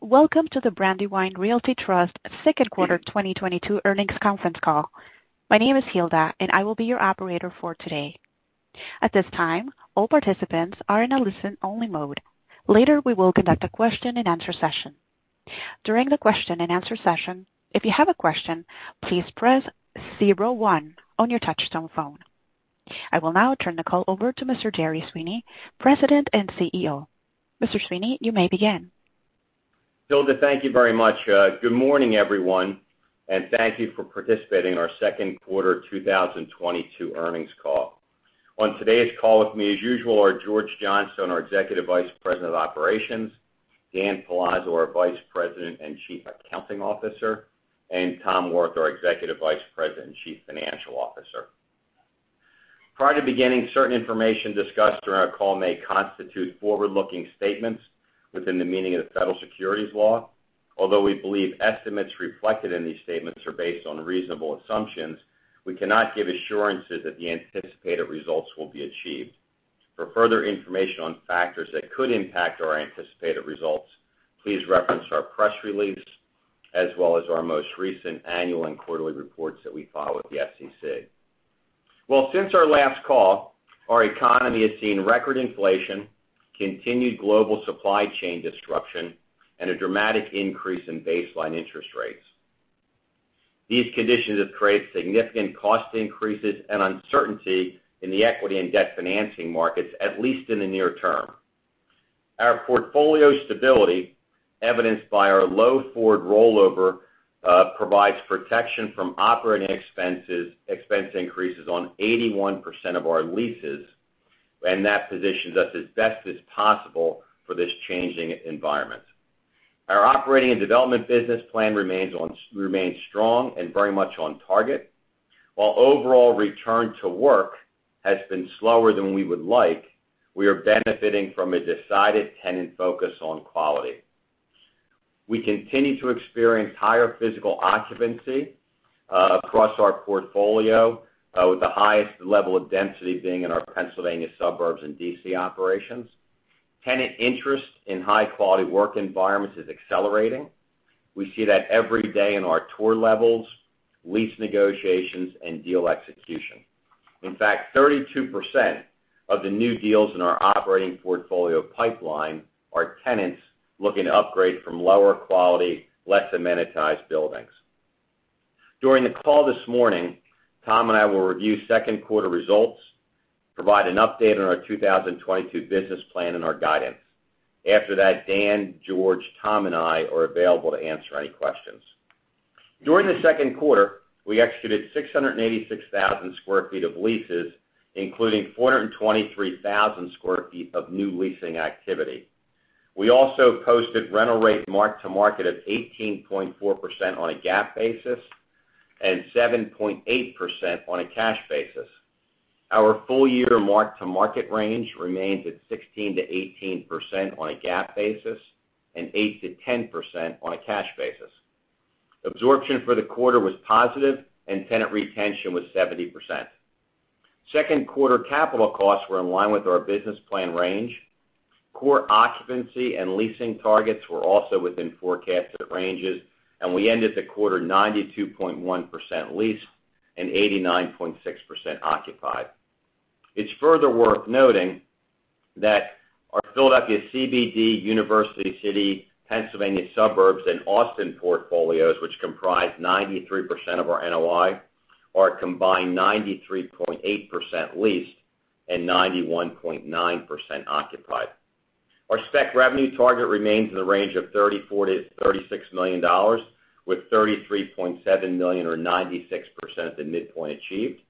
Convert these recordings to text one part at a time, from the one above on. Welcome to the Brandywine Realty Trust Q2 2022 earnings conference call. My name is Hilda, and I will be your operator for today. At this time, all participants are in a listen-only mode. Later, we will conduct a question-and-answer session. During the question-and-answer session, if you have a question, please press zero one on your touchtone phone. I will now turn the call over to Mr. Gerard H. Sweeney, President and CEO. Mr. Sweeney, you may begin. Hilda, thank you very much. Good morning, everyone, and thank you for participating in our Q2 2022 earnings call. On today's call with me as usual are George Johnstone, our Executive Vice President of Operations, Dan Palazzo, our Vice President and Chief Accounting Officer, and Tom Wirth, our Executive Vice President and Chief Financial Officer. Prior to beginning, certain information discussed during our call may constitute forward-looking statements within the meaning of the federal securities law. Although we believe estimates reflected in these statements are based on reasonable assumptions, we cannot give assurances that the anticipated results will be achieved. For further information on factors that could impact our anticipated results, please reference our press release as well as our most recent annual and quarterly reports that we file with the SEC. Well, since our last call, our economy has seen record inflation, continued global supply chain disruption, and a dramatic increase in baseline interest rates. These conditions have created significant cost increases and uncertainty in the equity and debt financing markets, at least in the near term. Our portfolio stability, evidenced by our low forward rollover, provides protection from operating expenses, expense increases on 81% of our leases, and that positions us as best as possible for this changing environment. Our operating and development business plan remains strong and very much on target. While overall return to work has been slower than we would like, we are benefiting from a decided tenant focus on quality. We continue to experience higher physical occupancy across our portfolio, with the highest level of density being in our Pennsylvania suburbs and D.C. operations. Tenant interest in high-quality work environments is accelerating. We see that every day in our tour levels, lease negotiations, and deal execution. In fact, 32% of the new deals in our operating portfolio pipeline are tenants looking to upgrade from lower quality, less amenitized buildings. During the call this morning, Tom and I will review Q2 results, provide an update on our 2022 business plan and our guidance. After that, Dan, George, Tom, and I are available to answer any questions. During the Q2, we executed 686,000 sq ft of leases, including 423,000 sq ft of new leasing activity. We also posted rental rate mark-to-market of 18.4% on a GAAP basis and 7.8% on a cash basis. Our full year mark-to-market range remains at 16%-18% on a GAAP basis and 8%-10% on a cash basis. Absorption for the quarter was positive, and tenant retention was 70%. Q2 capital costs were in line with our business plan range. Core occupancy and leasing targets were also within forecasted ranges, and we ended the quarter 92.1% leased and 89.6% occupied. It's further worth noting that our Philadelphia CBD, University City, Pennsylvania suburbs, and Austin portfolios, which comprise 93% of our NOI, are a combined 93.8% leased and 91.9% occupied. Our spec revenue target remains in the range of $34-$36 million, with $33.7 million or 96% at the midpoint achieved.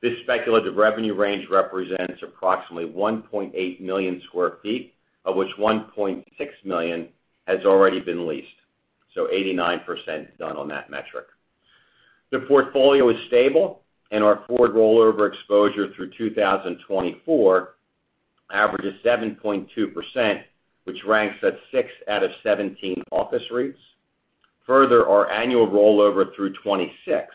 This speculative revenue range represents approximately 1.8 million sq ft, of which 1.6 million sq ft has already been leased, so 89% done on that metric. The portfolio is stable, and our forward rollover exposure through 2024 averages 7.2%, which ranks at six out of 17 office REITs. Further, our annual rollover through 2026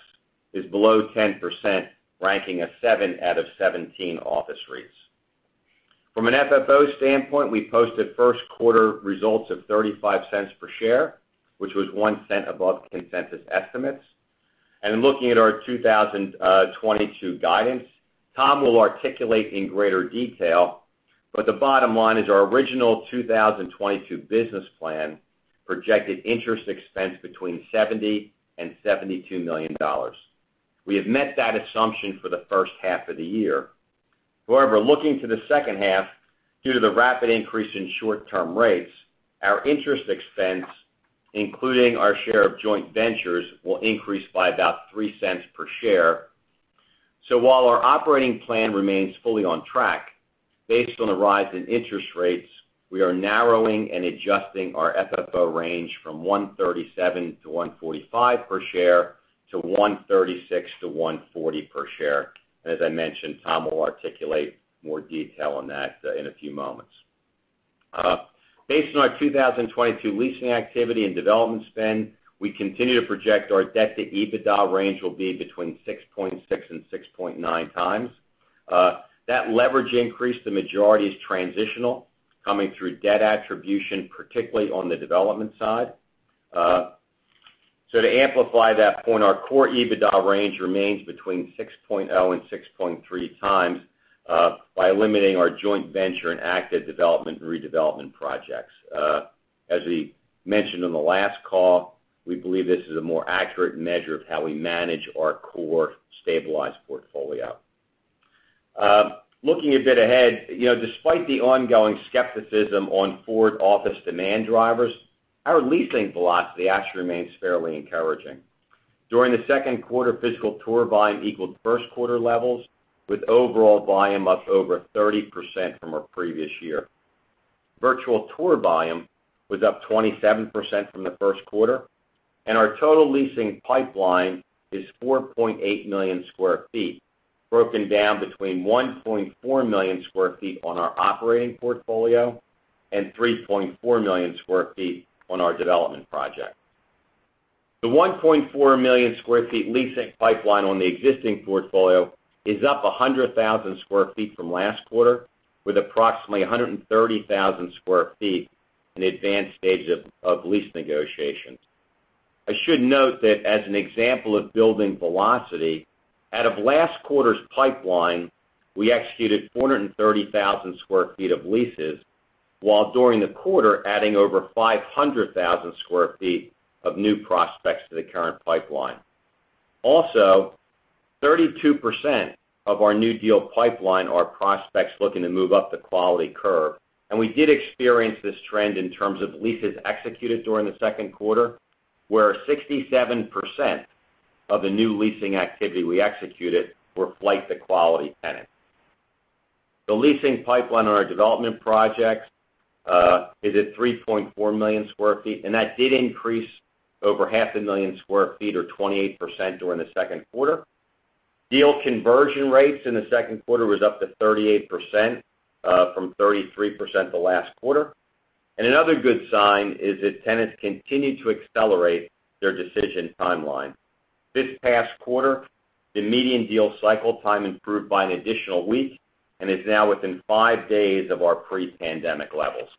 is below 10%, ranking at seven out of 17 office REITs. From an FFO standpoint, we posted Q1 results of $0.35 per share, which was $0.01 above consensus estimates. Looking at our 2022 guidance, Tom will articulate in greater detail, but the bottom line is our original 2022 business plan projected interest expense between $70 million and $72 million. We have met that assumption for the first half of the year. However, looking to the H2, due to the rapid increase in short-term rates, our interest expense, including our share of joint ventures, will increase by about $0.03 per share. While our operating plan remains fully on track, based on the rise in interest rates, we are narrowing and adjusting our FFO range from $1.37-$1.45 per share to $1.36-$1.40 per share. As I mentioned, Tom will articulate more detail on that in a few moments. Based on our 2022 leasing activity and development spend, we continue to project our debt to EBITDA range will be between 6.6x and 6.9x. That leverage increase, the majority is transitional, coming through debt attribution, particularly on the development side. To amplify that point, our core EBITDA range remains between 6.0x and 6.3x by eliminating our joint venture and active development and redevelopment projects. As we mentioned on the last call, we believe this is a more accurate measure of how we manage our core stabilized portfolio. Looking a bit ahead, you know, despite the ongoing skepticism on forward office demand drivers, our leasing velocity actually remains fairly encouraging. During the Q2, physical tour volume equaled Q1 levels, with overall volume up over 30% from our previous year. Virtual tour volume was up 27% from the Q1, and our total leasing pipeline is 4.8 million sq ft, broken down between 1.4 million sq ft on our operating portfolio and 3.4 million sq ft on our development project. The 1.4 million sq ft leasing pipeline on the existing portfolio is up 100,000 sq ft from last quarter, with approximately 130,000 sq ft in advanced stages of lease negotiations. I should note that as an example of building velocity, out of last quarter's pipeline, we executed 430,000 sq ft of leases, while during the quarter, adding over 500,000 sq ft of new prospects to the current pipeline. Also, 32% of our new deal pipeline are prospects looking to move up the quality curve. We did experience this trend in terms of leases executed during theQ2, where 67% of the new leasing activity we executed were flight to quality tenants. The leasing pipeline on our development projects is at 3.4 million sq ft, and that did increase over half a million sq ft or 28% during the Q2. Deal conversion rates in the Q2 was up to 38% from 33% the last quarter. Another good sign is that tenants continued to accelerate their decision timeline. This past quarter, the median deal cycle time improved by an additional week and is now within five days of our pre-pandemic levels.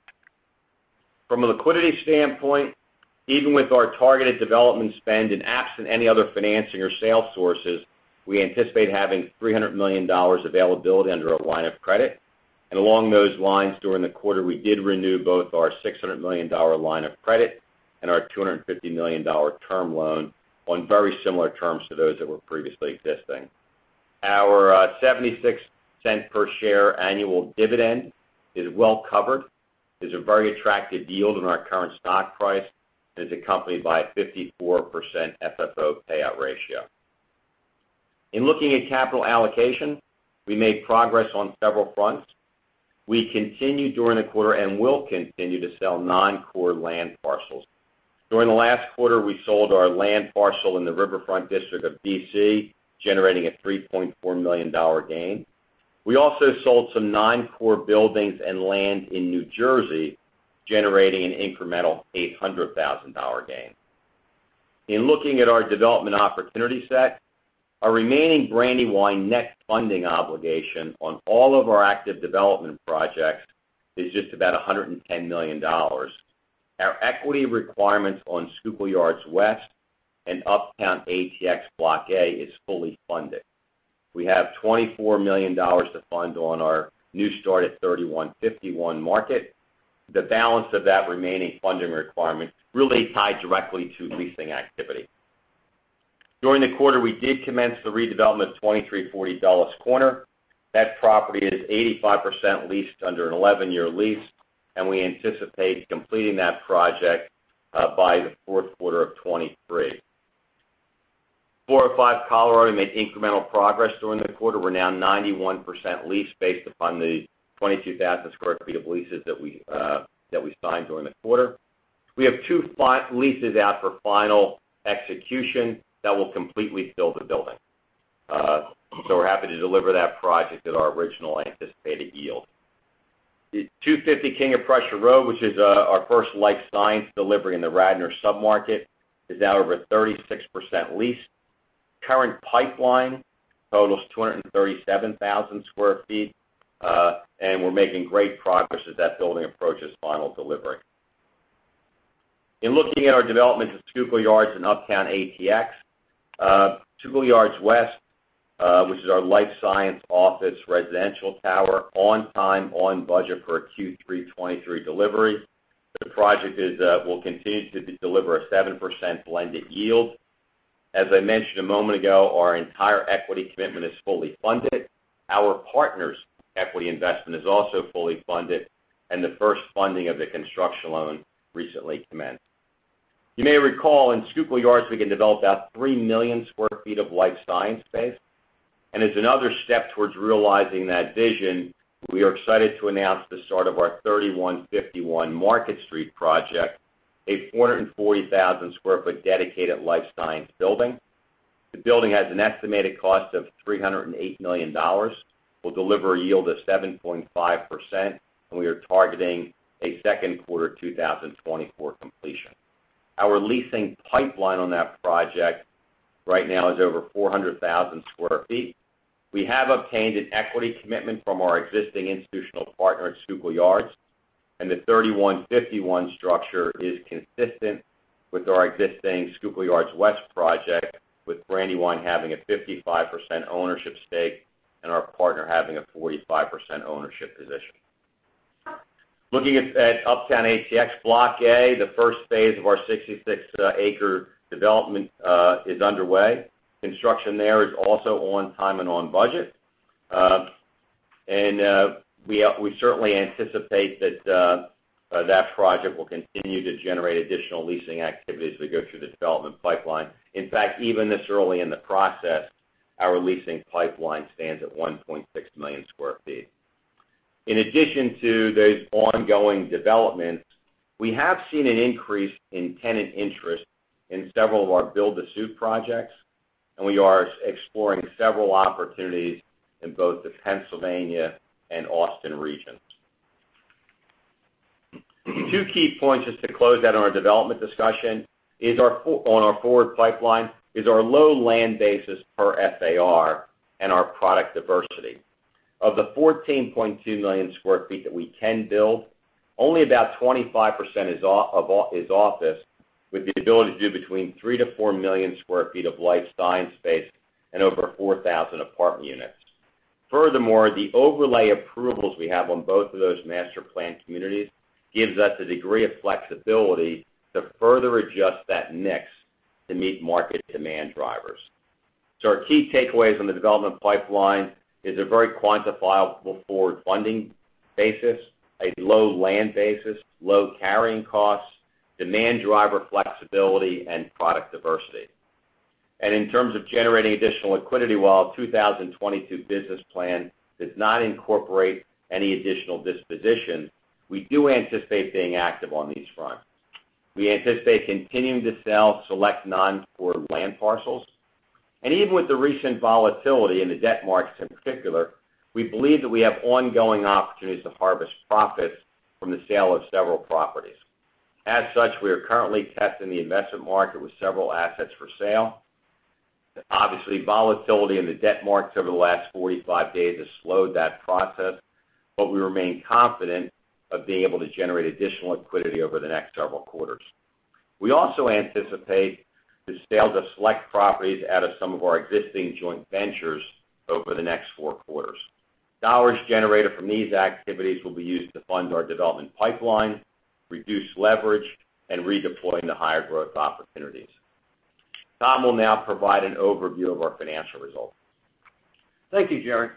From a liquidity standpoint, even with our targeted development spend and absent any other financing or sales sources, we anticipate having $300 million availability under our line of credit. Along those lines, during the quarter, we did renew both our $600 million line of credit and our $250 million term loan on very similar terms to those that were previously existing. Our $0.76 per share annual dividend is well covered. It's a very attractive yield on our current stock price and is accompanied by a 54% FFO payout ratio. In looking at capital allocation, we made progress on several fronts. We continued during the quarter and will continue to sell non-core land parcels. During the last quarter, we sold our land parcel in the Riverfront district of D.C., generating a $3.4 million gain. We also sold some non-core buildings and land in New Jersey, generating an incremental $800,000 gain. In looking at our development opportunity set, our remaining Brandywine net funding obligation on all of our active development projects is just about $110 million. Our equity requirements on Schuylkill Yards West and Uptown ATX Block A is fully funded. We have $24 million to fund on our new start at 3,151 Market. The balance of that remaining funding requirement really ties directly to leasing activity. During the quarter, we did commence the redevelopment of 2340 Dulles Corner. That property is 85% leased under an 11-year lease, and we anticipate completing that project by the Q4 of 2023. 405 Colorado made incremental progress during the quarter. We're now 91% leased based upon the 22,000 sq ft of leases that we signed during the quarter. We have two leases out for final execution that will completely fill the building. We're happy to deliver that project at our original anticipated yield. The 250 King of Prussia Road, which is our first life science delivery in the Radnor sub-market, is now over 36% leased. Current pipeline totals 237,000 sq ft, and we're making great progress as that building approaches final delivery. In looking at our development of Schuylkill Yards and Uptown ATX, Schuylkill Yards West, which is our life science office residential tower, on time, on budget for a Q3 2023 delivery. The project will continue to deliver a 7% blended yield. As I mentioned a moment ago, our entire equity commitment is fully funded. Our partner's equity investment is also fully funded, and the first funding of the construction loan recently commenced. You may recall in Schuylkill Yards, we can develop out 3 million sq ft of life science space. As another step towards realizing that vision, we are excited to announce the start of our 3151 Market Street project, a 440,000 sq ft dedicated life science building. The building has an estimated cost of $308 million. We'll deliver a yield of 7.5%, and we are targeting a Q2 2024 completion. Our leasing pipeline on that project right now is over 400,000 sq ft. We have obtained an equity commitment from our existing institutional partner at Schuylkill Yards, and the 3151 structure is consistent with our existing Schuylkill Yards West project, with Brandywine having a 55% ownership stake and our partner having a 45% ownership position. Looking at Uptown ATX Block A, the first phase of our 66-acre development is underway. Construction there is also on time and on budget. We certainly anticipate that that project will continue to generate additional leasing activity as we go through the development pipeline. In fact, even this early in the process, our leasing pipeline stands at 1.6 million sq ft. In addition to those ongoing developments, we have seen an increase in tenant interest in several of our build-to-suit projects, and we are exploring several opportunities in both the Pennsylvania and Austin regions. Two key points just to close out our development discussion is our focus on our forward pipeline, is our low land basis per FAR and our product diversity. Of the 14.2 million sq ft that we can build, only about 25% is office, with the ability to do between 3-4 million sq ft of life science space and over 4,000 apartment units. Furthermore, the overlay approvals we have on both of those master planned communities gives us the degree of flexibility to further adjust that mix to meet market demand drivers. Our key takeaways on the development pipeline is a very quantifiable forward funding basis, a low land basis, low carrying costs, demand driver flexibility, and product diversity. In terms of generating additional liquidity, while our 2022 business plan does not incorporate any additional disposition, we do anticipate being active on these fronts. We anticipate continuing to sell select non-core land parcels. Even with the recent volatility in the debt markets in particular, we believe that we have ongoing opportunities to harvest profits from the sale of several properties. As such, we are currently testing the investment market with several assets for sale. Obviously, volatility in the debt markets over the last 45 days has slowed that process, but we remain confident of being able to generate additional liquidity over the next several quarters. We also anticipate the sale to select properties out of some of our existing joint ventures over the next four quarters. Dollars generated from these activities will be used to fund our development pipeline, reduce leverage, and redeploy into higher growth opportunities. Tom will now provide an overview of our financial results. Thank you, Jerry.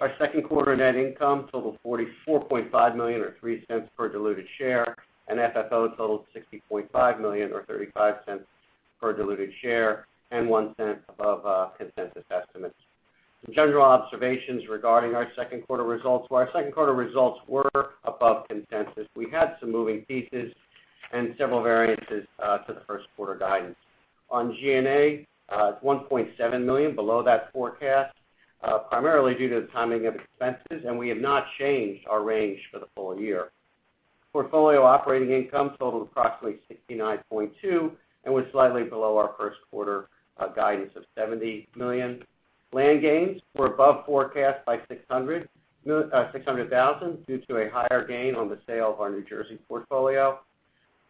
Our Q2 net income totaled $44.5 million or $0.03 per diluted share, and FFO totaled $60.5 million or $0.35 per diluted share, and $0.01 above consensus estimates. Some general observations regarding our Q2 results. While our Q2 results were above consensus, we had some moving pieces and several variances to the Q1 guidance. On G&A, it's $1.7 million below that forecast, primarily due to the timing of expenses, and we have not changed our range for the full year. Portfolio operating income totaled approximately $69.2 million and was slightly below our Q1 guidance of $70 million. Land gains were above forecast by $600,000 due to a higher gain on the sale of our New Jersey portfolio.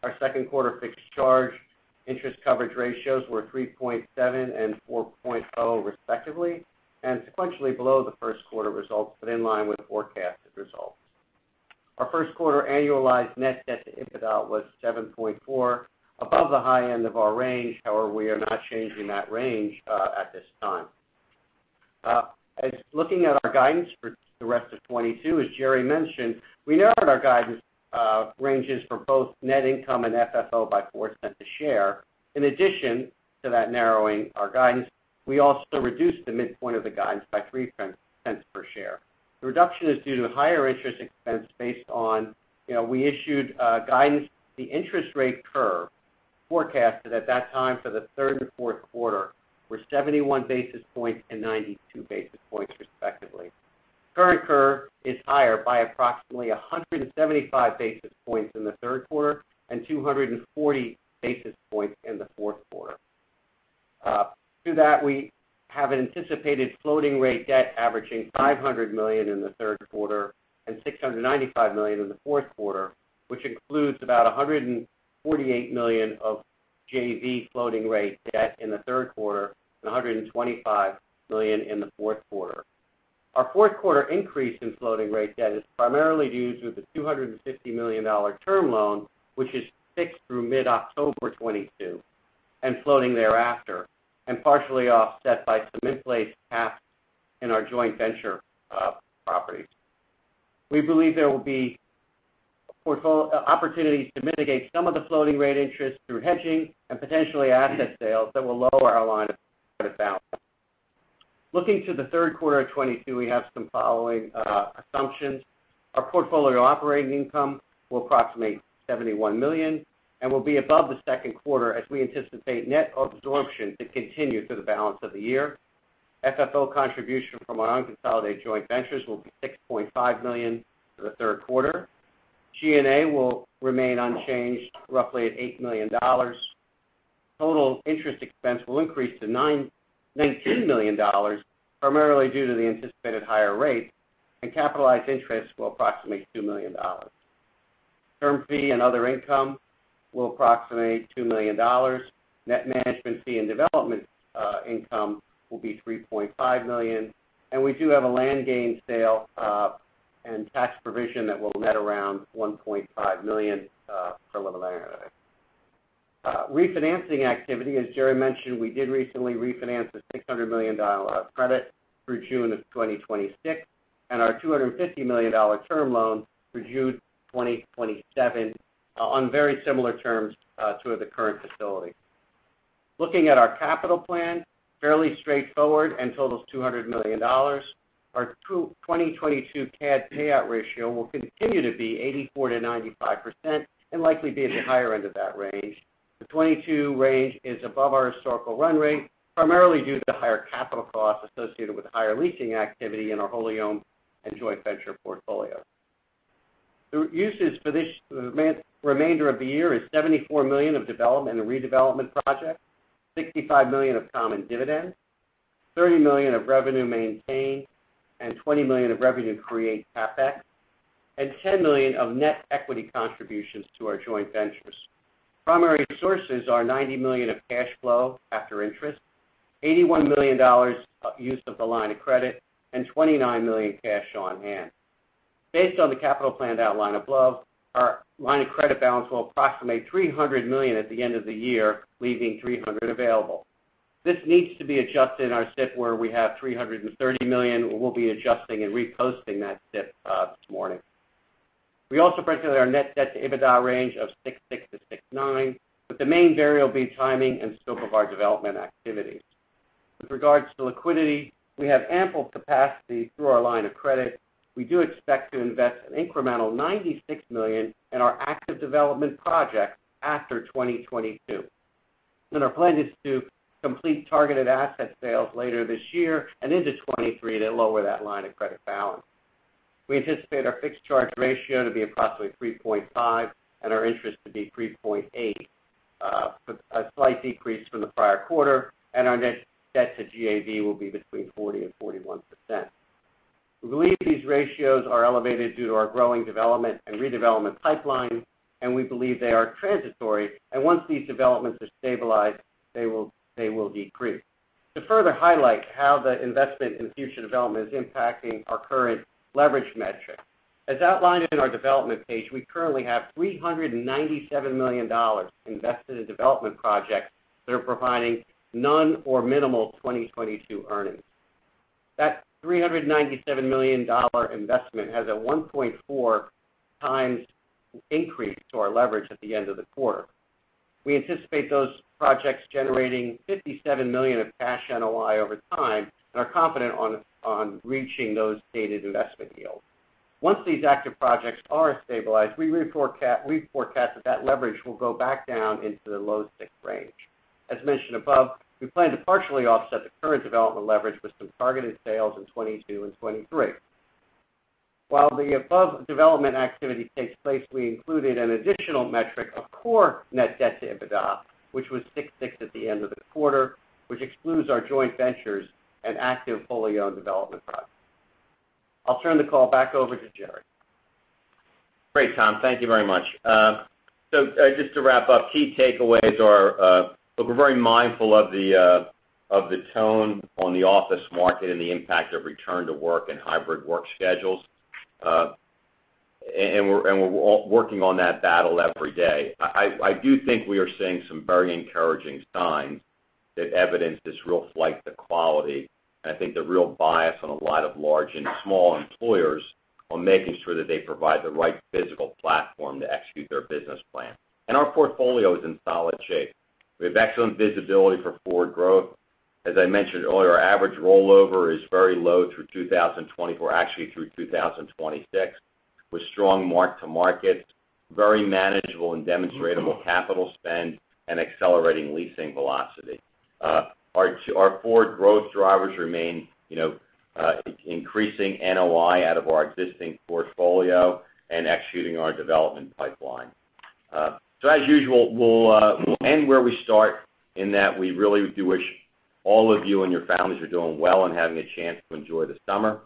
Our Q2 fixed charge interest coverage ratios were 3.7 and 4.0 respectively, and sequentially below the Q1 results but in line with forecasted results. Our Q1 annualized net debt-to-EBITDA was 7.4, above the high end of our range. However, we are not changing that range at this time. As looking at our guidance for the rest of 2022, as Jerry mentioned, we narrowed our guidance ranges for both net income and FFO by $0.04 per share. In addition to that narrowing our guidance, we also reduced the midpoint of the guidance by $0.03 per share. The reduction is due to higher interest expense based on, you know, we issued guidance. The interest rate curve forecasted at that time for the third and the Q4 were 71 basis points and 92 basis points respectively. Current curve is higher by approximately 175 basis points in the Q3 and 240 basis points in the Q4. Through that, we have anticipated floating rate debt averaging $500 million in the Q3 and $695 million in the Q4, which includes about $148 million of JV floating rate debt in the Q3 and $125 million in the Q4. Our Q4 increase in floating rate debt is primarily due to the $250 million term loan, which is fixed through mid-October 2022 and floating thereafter, and partially offset by some in-place caps in our joint venture properties. We believe there will be opportunities to mitigate some of the floating rate interest through hedging and potentially asset sales that will lower our line of credit balance. Looking to the Q3 of 2022, we have the following assumptions. Our portfolio operating income will approximate $71 million and will be above the Q2 as we anticipate net absorption to continue through the balance of the year. FFO contribution from our unconsolidated joint ventures will be $6.5 million for the Q3. G&A will remain unchanged roughly at $8 million. Total interest expense will increase to $19 million, primarily due to the anticipated higher rate, and capitalized interest will approximate $2 million. Term fee and other income will approximate $2 million. Net management fee and development income will be $3.5 million. We do have a land gain sale and tax provision that will net around $1.5 million. Refinancing activity, as Jerry mentioned, we did recently refinance a $600 million credit through June of 2026, and our $250 million term loan through June of 2027, on very similar terms to the current facility. Looking at our capital plan, fairly straightforward and totals $200 million. Our 2022 CAD payout ratio will continue to be 84%-95% and likely be at the higher end of that range. The 2022 range is above our historical run rate, primarily due to the higher capital costs associated with higher leasing activity in our wholly-owned and joint venture portfolio. The uses for this remainder of the year is $74 million of development and redevelopment projects, $65 million of common dividends, $30 million of revenue maintenance, and $20 million of revenue create CapEx, and $10 million of net equity contributions to our joint ventures. Primary sources are $90 million of cash flow after interest, $81 million of use of the line of credit, and $29 million cash on hand. Based on the capital planned outline above, our line of credit balance will approximate $300 million at the end of the year, leaving $300 available. This needs to be adjusted in our SIP where we have $330 million. We'll be adjusting and reposting that SIP this morning. We also presented our net debt to EBITDA range of 6.6-6.9, but the main variable will be timing and scope of our development activities. With regards to liquidity, we have ample capacity through our line of credit. We do expect to invest an incremental $96 million in our active development projects after 2022. Our plan is to complete targeted asset sales later this year and into 2023 to lower that line of credit balance. We anticipate our fixed charge ratio to be approximately 3.5 and our interest to be 3.8, a slight decrease from the prior quarter, and our net debt to GAV will be between 40% and 41%. We believe these ratios are elevated due to our growing development and redevelopment pipeline, and we believe they are transitory. Once these developments are stabilized, they will decrease. To further highlight how the investment in future development is impacting our current leverage metric, as outlined in our development page, we currently have $397 million invested in development projects that are providing none or minimal 2022 earnings. That $397 million investment has a 1.4 times increase to our leverage at the end of the quarter. We anticipate those projects generating $57 million of cash NOI over time and are confident on reaching those stated investment yields. Once these active projects are stabilized, we forecast that leverage will go back down into the low six range. As mentioned above, we plan to partially offset the current development leverage with some targeted sales in 2022 and 2023. While the above development activity takes place, we included an additional metric of core net debt to EBITDA, which was 6.6 at the end of the quarter, which excludes our joint ventures and active fully owned development projects. I'll turn the call back over to Gerard. Great, Tom. Thank you very much. Just to wrap up, key takeaways are, look, we're very mindful of the tone on the office market and the impact of return to work and hybrid work schedules. We're all working on that battle every day. I do think we are seeing some very encouraging signs that evidence this real flight to quality, and I think the real bias on a lot of large and small employers on making sure that they provide the right physical platform to execute their business plan. Our portfolio is in solid shape. We have excellent visibility for forward growth. As I mentioned earlier, our average rollover is very low through 2024, actually through 2026, with strong mark-to-market, very manageable and demonstrable capital spend and accelerating leasing velocity. Our four growth drivers remain, you know, increasing NOI out of our existing portfolio and executing our development pipeline. As usual, we'll end where we start in that we really do wish all of you and your families are doing well and having a chance to enjoy the summer.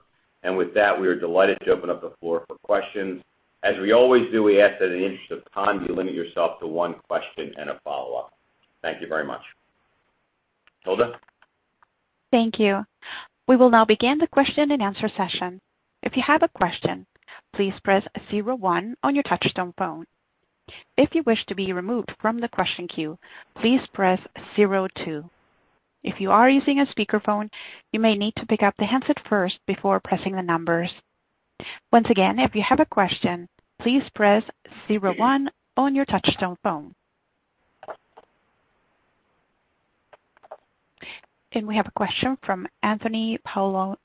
With that, we are delighted to open up the floor for questions. As we always do, we ask that in the interest of time, you limit yourself to one question and a follow-up. Thank you very much. Hilda? Thank you. We will now begin the question and answer session. If you have a question, please press zero one on your touch-tone phone. If you wish to be removed from the question queue, please press zero two. If you are using a speakerphone, you may need to pick up the handset first before pressing the numbers. Once again, if you have a question, please press zero one on your touch-tone phone. We have a question from Anthony Paolone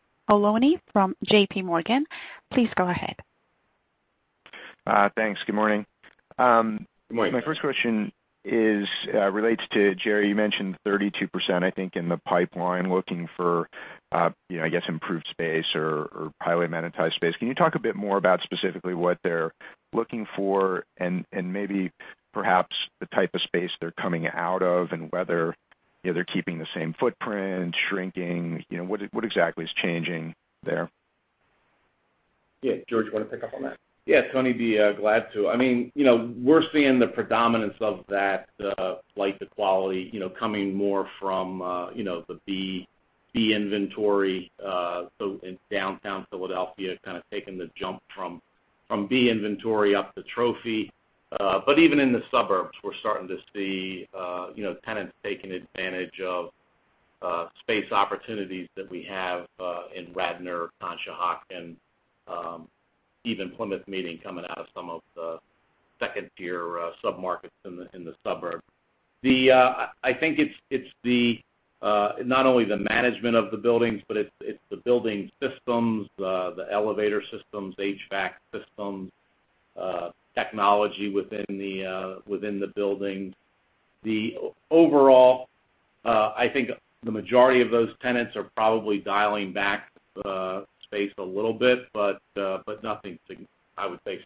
from J.P. Morgan. Please go ahead. Thanks. Good morning. Good morning. My first question is, relates to Jerry. You mentioned 32%, I think, in the pipeline looking for, you know, I guess, improved space or highly monetized space. Can you talk a bit more about specifically what they're looking for and maybe perhaps the type of space they're coming out of and whether, you know, they're keeping the same footprint, shrinking? You know, what exactly is changing there? Yeah, George, you want to pick up on that? Yeah, Tony, glad to. I mean, you know, we're seeing the predominance of that, like the quality, you know, coming more from, you know, the B inventory, so in downtown Philadelphia, kind of taking the jump from B inventory up to Trophy. Even in the suburbs, we're starting to see, you know, tenants taking advantage of space opportunities that we have in Radnor, Conshohocken, even Plymouth Meeting coming out of some of the second-tier submarkets in the suburb. I think it's not only the management of the buildings, but it's the building systems, the elevator systems, HVAC systems, technology within the buildings. Overall, I think the majority of those tenants are probably dialing back space a little bit, but nothing significant, I would say,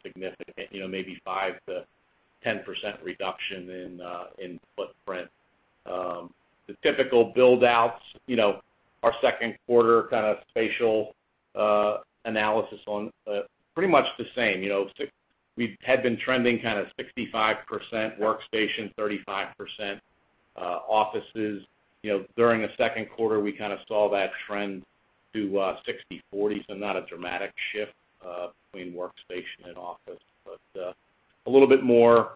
you know, maybe 5%-10% reduction in footprint. The typical buildouts, you know, our Q2 kind of spatial analysis on pretty much the same. You know, we had been trending kind of 65% workstation, 35% offices. You know, during the Q2, we kind of saw that trend to 60-40, so not a dramatic shift between workstation and office. A little bit more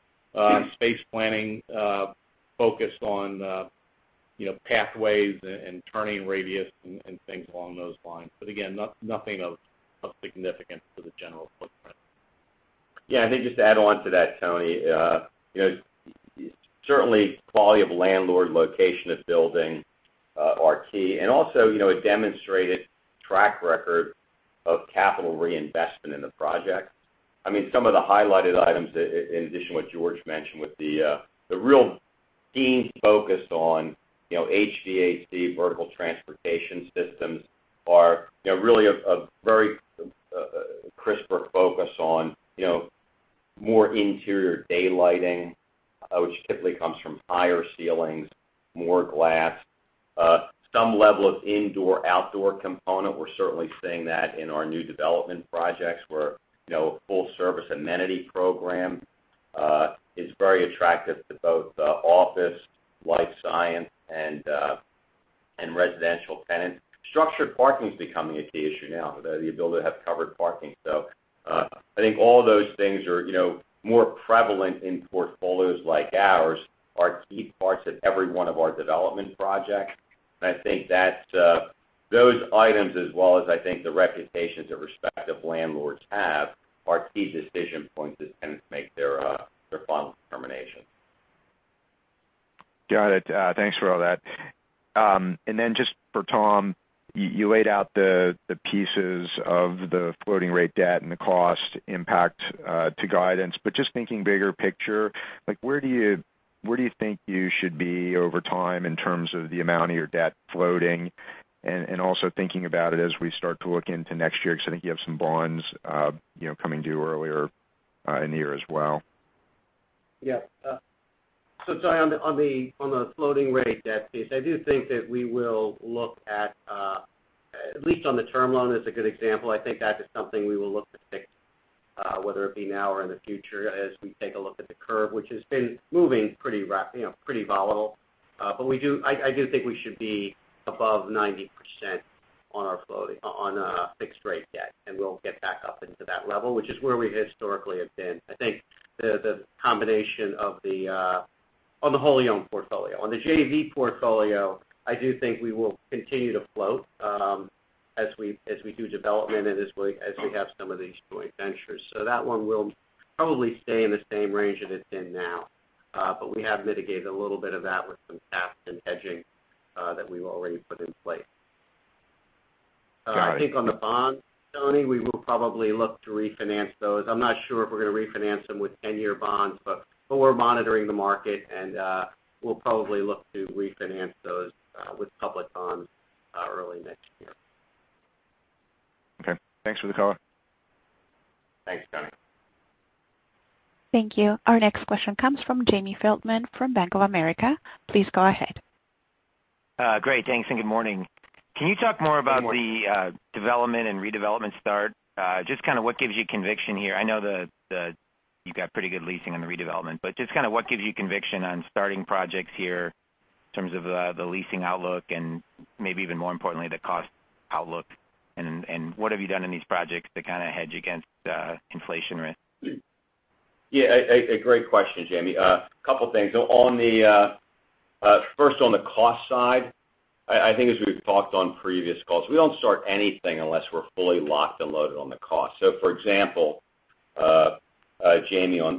space planning focused on, you know, pathways and turning radius and things along those lines. Again, nothing of significance to the general footprint. Yeah, I think just to add on to that, Tony, you know, certainly quality of landlord, location of building, are key. Also, you know, a demonstrated track record of capital reinvestment in the project. I mean, some of the highlighted items, in addition to what George mentioned, with the real keen focus on, you know, HVAC vertical transportation systems are, you know, really a very crisper focus on, you know, more interior daylighting, which typically comes from higher ceilings, more glass. Some level of indoor-outdoor component, we're certainly seeing that in our new development projects, where, you know, a full-service amenity program is very attractive to both office, life science, and residential tenants. Structured parking's becoming a key issue now, the ability to have covered parking. I think all those things are, you know, more prevalent in portfolios like ours, are key parts of every one of our development projects. I think that, those items, as well as I think the reputations that respective landlords have, are key decision points as tenants make their final determination. Got it. Thanks for all that. Then just for Tom, you laid out the pieces of the floating rate debt and the cost impact to guidance. Just thinking bigger picture, like, where do you think you should be over time in terms of the amount of your debt floating? Also thinking about it as we start to look into next year, 'cause I think you have some bonds, you know, coming due earlier in the year as well. Yeah. So sorry, on the floating rate debt piece, I do think that we will look at least on the term loan is a good example. I think that is something we will look to fix, whether it be now or in the future, as we take a look at the curve, which has been moving pretty rapid, you know, pretty volatile. But I do think we should be above 90% on our fixed-rate debt, and we'll get back up into that level, which is where we historically have been. I think the combination of the on the wholly owned portfolio. On the JV portfolio, I do think we will continue to float, as we do development and as we have some of these joint ventures. That one will probably stay in the same range that it's in now, but we have mitigated a little bit of that with some caps and hedging, that we've already put in place. Got it. I think on the bonds, Tony, we will probably look to refinance those. I'm not sure if we're going to refinance them with 10-year bonds, but we're monitoring the market and we'll probably look to refinance those with public bonds early next year. Okay. Thanks for the call. Thanks, Tony. Thank you. Our next question comes from Jamie Feldman from Bank of America. Please go ahead. Great. Thanks, and good morning. Good morning. Can you talk more about the development and redevelopment start? Just kind of what gives you conviction here? I know that you've got pretty good leasing on the redevelopment, but just kind of what gives you conviction on starting projects here in terms of the leasing outlook and maybe even more importantly, the cost outlook, and what have you done in these projects to kind of hedge against inflation risk? Yeah. A great question, Jamie. A couple things. First on the cost side, I think as we've talked on previous calls, we don't start anything unless we're fully locked and loaded on the cost. For example, Jamie, on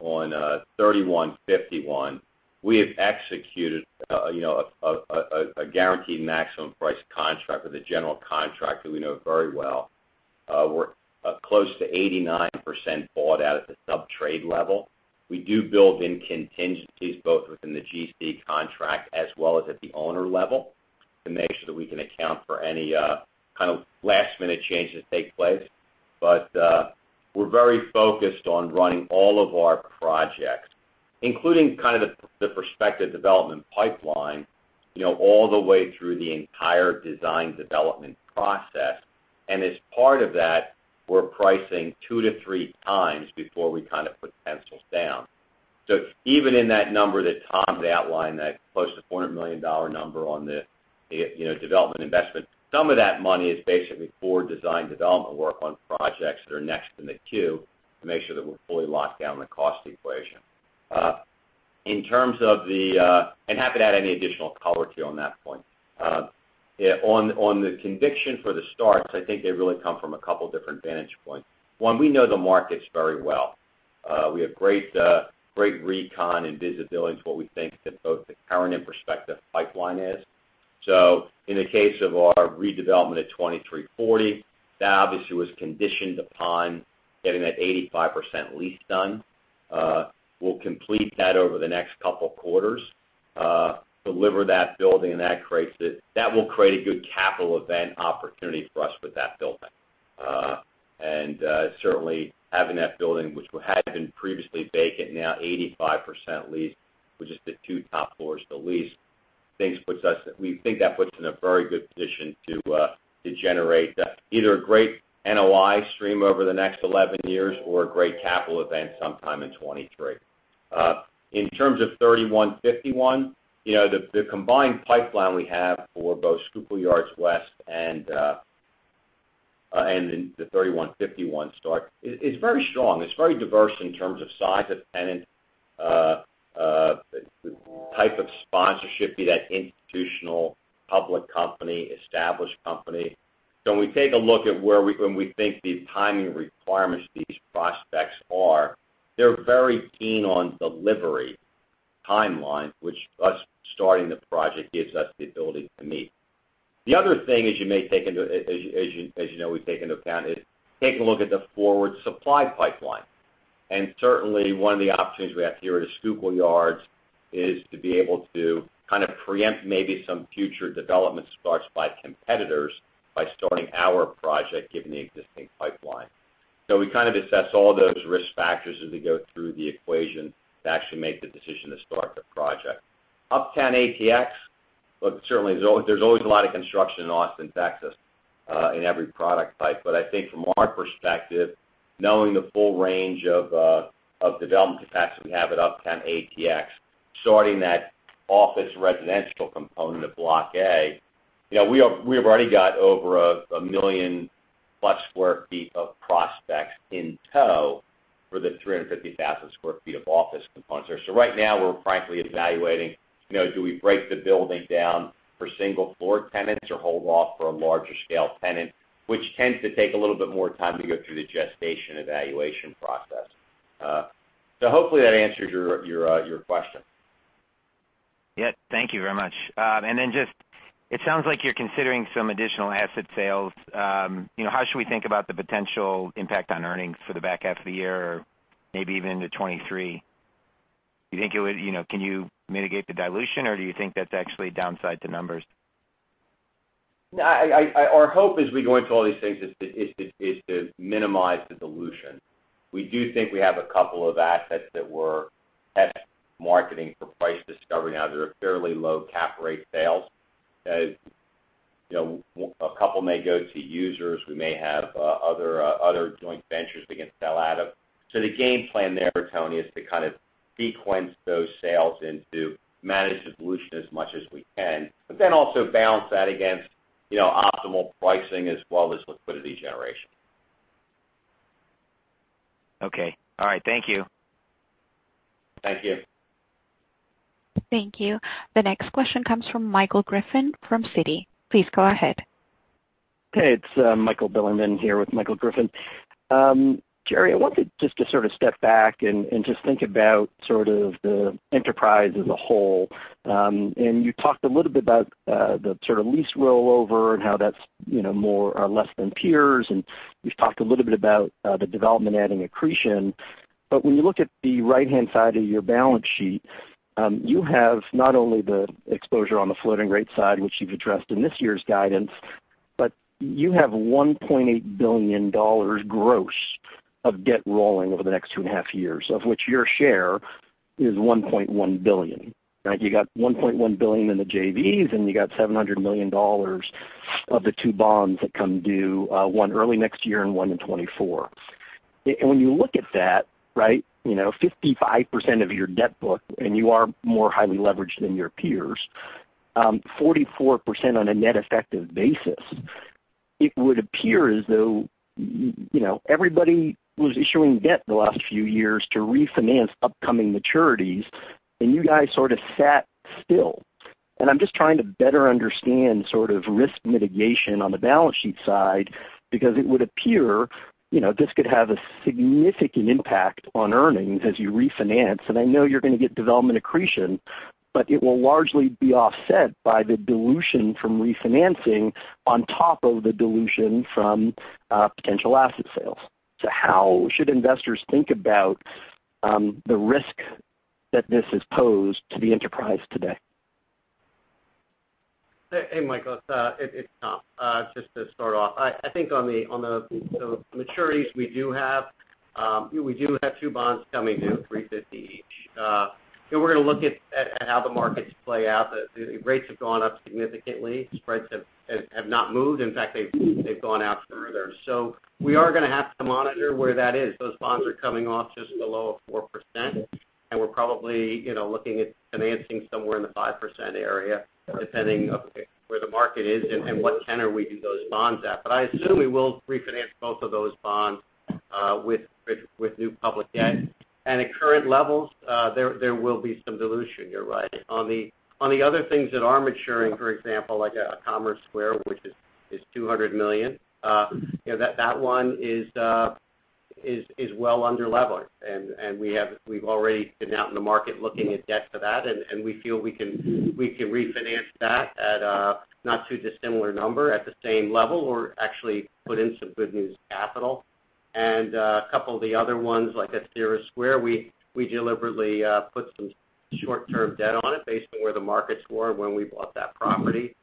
3151 we have executed, you know, a guaranteed maximum price contract with a general contractor who we know very well. We're close to 89% bought out at the subtrade level. We do build in contingencies, both within the GC contract as well as at the owner level, to make sure that we can account for any kind of last-minute changes that take place. We're very focused on running all of our projects, including kind of the prospective development pipeline, you know, all the way through the entire design development process. We're pricing two to three times before we kind of put pencils down. Even in that number that Tom had outlined, that close to $400 million number on the, you know, development investment, some of that money is basically for design development work on projects that are next in the queue to make sure that we're fully locked down the cost equation. Happy to add any additional color to you on that point. On the conviction for the starts, I think they really come from a couple different vantage points. One, we know the markets very well. We have great recon and visibility into what we think that both the current and prospective pipeline is. In the case of our redevelopment at 2340, that obviously was conditioned upon getting that 85% lease done. We'll complete that over the next couple quarters, deliver that building, and that creates it. That will create a good capital event opportunity for us with that building. Certainly having that building, which had been previously vacant, now 85% leased, with just the two top floors to lease, we think that puts us in a very good position to generate either a great NOI stream over the next eleven years or a great capital event sometime in 2023. In terms of 3151, you know, the combined pipeline we have for both Schuylkill Yards West and in the 3151 start is very strong. It's very diverse in terms of size of tenant, type of sponsorship, be that institutional, public company, established company. When we take a look at where we think the timing requirements for these prospects are, they're very keen on delivery timelines, which our starting the project gives us the ability to meet. The other thing is, as you know, we take into account is to take a look at the forward supply pipeline. Certainly, one of the opportunities we have here at Schuylkill Yards is to be able to kind of preempt maybe some future development starts by competitors by starting our project, given the existing pipeline. We kind of assess all those risk factors as we go through the equation to actually make the decision to start the project. Uptown ATX, look, certainly there's always a lot of construction in Austin, Texas, in every product type. But I think from our perspective, knowing the full range of development capacity we have at Uptown ATX, starting that office residential component of Block A, you know, we have already got over a million-plus sq ft of prospects in tow for the 350,000 sq ft of office components there. Right now, we're frankly evaluating, you know, do we break the building down for single floor tenants or hold off for a larger scale tenant, which tends to take a little bit more time to go through the gestation evaluation process. Hopefully that answers your question. Yeah. Thank you very much. Just, it sounds like you're considering some additional asset sales. You know, how should we think about the potential impact on earnings for the back half of the year or maybe even into 2023? Do you think it would, you know, can you mitigate the dilution, or do you think that's actually a downside to numbers? No, our hope as we go into all these things is to minimize the dilution. We do think we have a couple of assets that we're test marketing for price discovery. Now they're fairly low cap rate sales. A couple may go to users. We may have other joint ventures we can sell out of. The game plan there, Tony, is to kind of sequence those sales and to manage the dilution as much as we can, but then also balance that against optimal pricing as well as liquidity generation. Okay. All right. Thank you. Thank you. Thank you. The next question comes from Michael Griffin from Citi. Please go ahead. Hey, it's Michael Bilerman here with Michael Griffin. Gerard, I wanted just to sort of step back and just think about sort of the enterprise as a whole. You talked a little bit about the sort of lease rollover and how that's, you know, more or less than peers, and you've talked a little bit about the development adding accretion. But when you look at the right-hand side of your balance sheet, you have not only the exposure on the floating rate side, which you've addressed in this year's guidance, but you have $1.8 billion gross of debt rolling over the next two and a half years, of which your share is $1.1 billion, right? You got $1.1 billion in the JVs, and you got $700 million of the two bonds that come due, one early next year and one in 2024. When you look at that, right, you know, 55% of your debt book, and you are more highly leveraged than your peers, 44% on a net effective basis, it would appear as though, you know, everybody was issuing debt in the last few years to refinance upcoming maturities, and you guys sort of sat still. I'm just trying to better understand sort of risk mitigation on the balance sheet side because it would appear, you know, this could have a significant impact on earnings as you refinance. I know you're going to get development accretion, but it will largely be offset by the dilution from refinancing on top of the dilution from potential asset sales. How should investors think about the risk that this has posed to the enterprise today? Hey, Michael, it's Tom. Just to start off, I think on the maturities we do have, we do have two bonds coming due, $350 each. We're going to look at how the markets play out. The rates have gone up significantly. Spreads have not moved. In fact, they've gone out further. So we are going to have to monitor where that is. Those bonds are coming off just below 4%, and we're probably, you know, looking at financing somewhere in the 5% area, depending where the market is and what tenor we do those bonds at. I assume we will refinance both of those bonds with new public debt. At current levels, there will be some dilution. You're right. On the other things that are maturing, for example, like Commerce Square, which is $200 million, you know, that one is well underlevered. We've already been out in the market looking at debt for that, and we feel we can refinance that at a not too dissimilar number at the same level, or actually put in some good news capital. A couple of the other ones, like at Cira Square, we deliberately put some short-term debt on it based on where the markets were when we bought that property.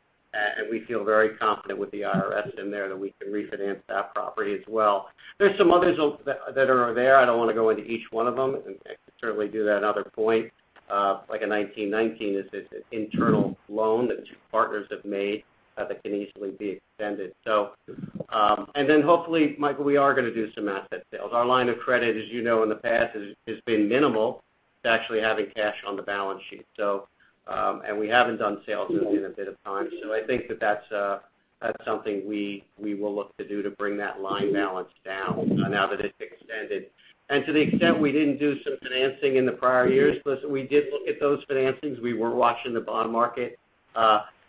We feel very confident with the IRS in there that we can refinance that property as well. There's some others that are there. I don't want to go into each one of them. I can certainly do that at another point. Like a 2019 is this internal loan that two partners have made, that can easily be extended. Hopefully, Michael, we are going to do some asset sales. Our line of credit, as you know in the past, has been minimal to actually having cash on the balance sheet. We haven't done sales in a bit of time. I think that that's something we will look to do to bring that line balance down now that it's extended. To the extent we didn't do some financing in the prior years, listen, we did look at those financings. We were watching the bond market.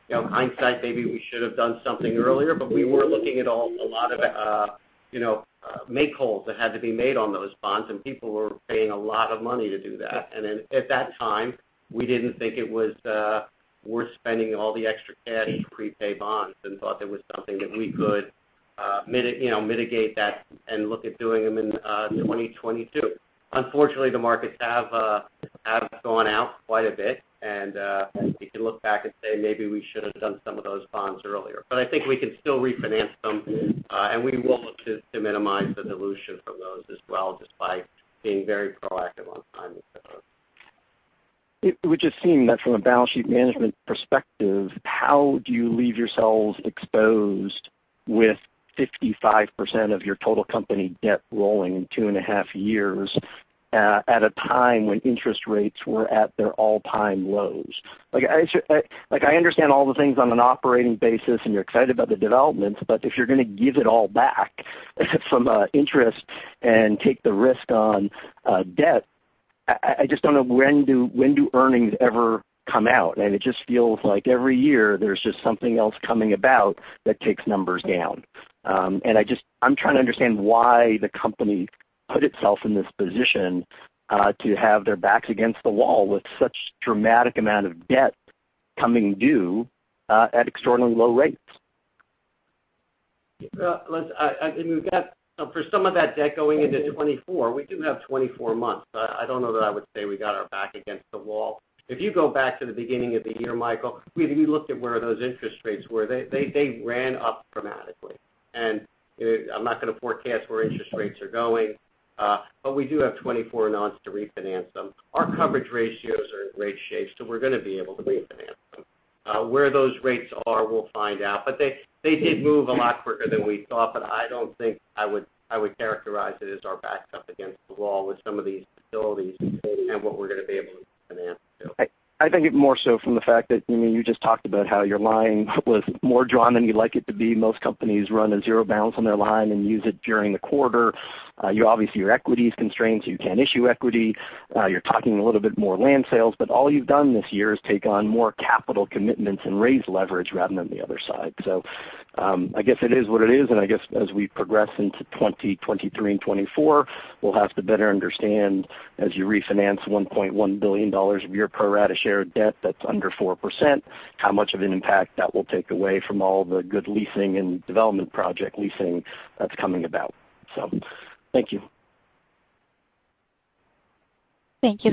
You know, hindsight, maybe we should have done something earlier, but we were looking at all, a lot of, you know, make-wholes that had to be made on those bonds, and people were paying a lot of money to do that. At that time, we didn't think it was worth spending all the extra cash to prepay bonds and thought there was something that we could, you know, mitigate that and look at doing them in 2022. Unfortunately, the markets have gone out quite a bit. We can look back and say, maybe we should have done some of those bonds earlier. I think we can still refinance them, and we will look to minimize the dilution from those as well, just by being very proactive on timing et cetera. It would just seem that from a balance sheet management perspective, how do you leave yourselves exposed with 55% of your total company debt rolling in two and a half years at a time when interest rates were at their all-time lows? Like I understand all the things on an operating basis, and you're excited about the developments, but if you're going to give it all back from interest and take the risk on debt, I just don't know when do earnings ever come out? It just feels like every year there's just something else coming about that takes numbers down. I'm trying to understand why the company put itself in this position to have their backs against the wall with such dramatic amount of debt coming due at extraordinarily low rates. Well, listen, I mean, we've got for some of that debt going into 2024, we do have 24 months. I don't know that I would say we got our back against the wall. If you go back to the beginning of the year, Michael, we looked at where those interest rates were. They ran up dramatically. You know, I'm not going to forecast where interest rates are going, but we do have 24 months to refinance them. Our coverage ratios are in great shape, so we're going to be able to refinance them. Where those rates are, we'll find out. But they did move a lot quicker than we thought, but I don't think I would characterize it as our backs up against the wall with some of these facilities and what we're going to be able to refinance to. I think it more so from the fact that, I mean, you just talked about how your line was more drawn than you'd like it to be. Most companies run a zero balance on their line and use it during the quarter. You obviously, your equity is constrained, so you can't issue equity. You're talking a little bit more land sales, but all you've done this year is take on more capital commitments and raise leverage rather than the other side. I guess it is what it is, and I guess as we progress into 2023 and 2024, we'll have to better understand as you refinance $1.1 billion of your pro rata share of debt that's under 4%, how much of an impact that will take away from all the good leasing and development project leasing that's coming about. Thank you. Thank you.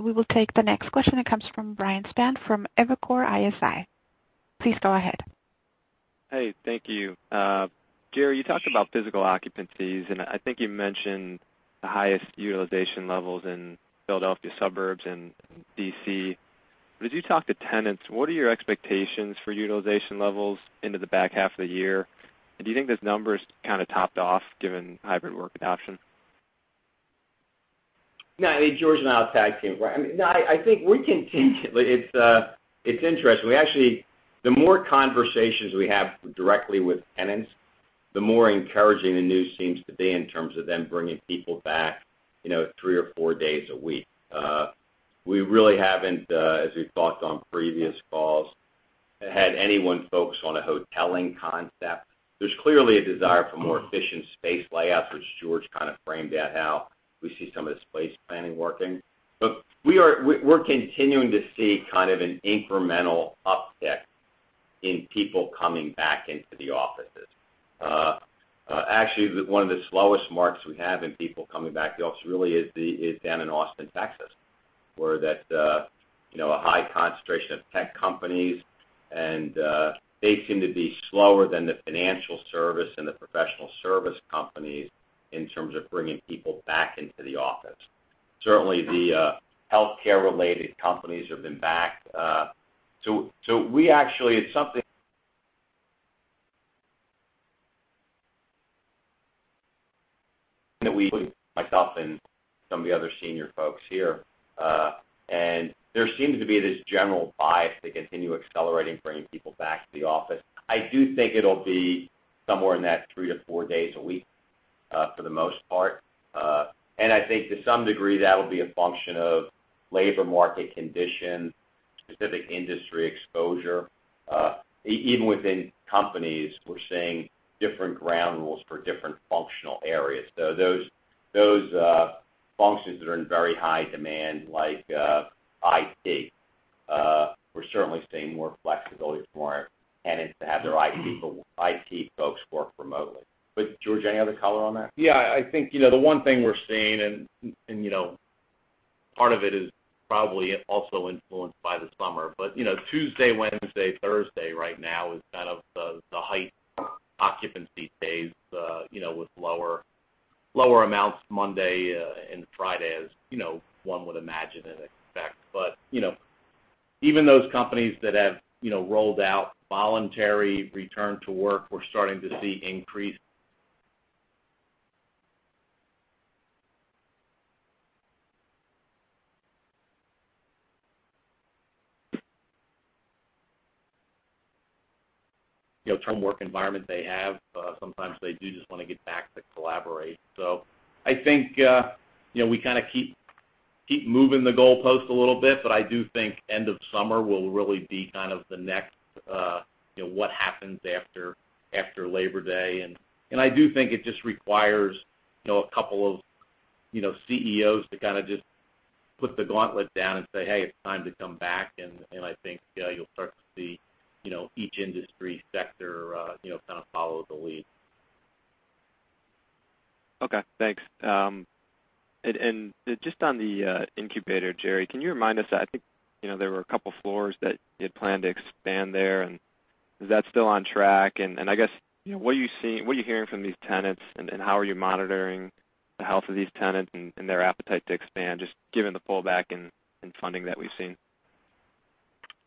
We will take the next question. It comes from Steve Sakwa from Evercore ISI. Please go ahead. Hey, thank you. Jerry, you talked about physical occupancies, and I think you mentioned the highest utilization levels in Philadelphia suburbs and D.C. But as you talk to tenants, what are your expectations for utilization levels into the back half of the year? Do you think this number is kind of topped off given hybrid work adoption? No, I mean, George and I will tag team, right? I think we can take it. Like it's interesting. Actually, the more conversations we have directly with tenants, the more encouraging the news seems to be in terms of them bringing people back, you know, three or four days a week. We really haven't, as we've talked on previous calls, had anyone focus on a hoteling concept. There's clearly a desire for more efficient space layouts, which George kind of framed out how we see some of the space planning working. We are continuing to see kind of an incremental uptick in people coming back into the offices. Actually, one of the slowest markets we have in people coming back to the office really is down in Austin, Texas, where, you know, a high concentration of tech companies, and they seem to be slower than the financial services and the professional services companies in terms of bringing people back into the office. Certainly, the healthcare-related companies have been back. We actually. It's something that we, myself, and some of the other senior folks here, and there seems to be this general bias to continue accelerating, bringing people back to the office. I do think it'll be somewhere in that three to four days a week, for the most part. I think to some degree, that'll be a function of labor market conditions, specific industry exposure. Even within companies, we're seeing different ground rules for different functional areas. Those functions that are in very high demand like IT, we're certainly seeing more flexibility for our tenants to have their IT folks work remotely. George, any other color on that? Yeah, I think, you know, the one thing we're seeing and you know, part of it is probably also influenced by the summer. You know, Tuesday, Wednesday, Thursday right now is kind of the highest occupancy days, you know, with lower amounts Monday and Friday as you know, one would imagine and expect. You know, even those companies that have, you know, rolled out voluntary return to work. We're starting to see increased, you know, in terms of the work environment they have. Sometimes they do just want to get back to collaborate. I think, you know, we kinda keep moving the goalpost a little bit, but I do think end of summer will really be kind of the next, you know, what happens after Labor Day. I do think it just requires, you know, a couple of, you know, CEOs to kinda just put the gauntlet down and say, "Hey, it's time to come back." I think you'll start to see, you know, each industry sector, you know, kind of follow the lead. Okay, thanks. Just on the incubator, Jerry, can you remind us? I think, you know, there were a couple floors that you had planned to expand there, and is that still on track? I guess, you know, what are you hearing from these tenants, and how are you monitoring the health of these tenants and their appetite to expand, just given the pullback in funding that we've seen?